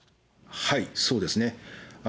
はい、そうですね。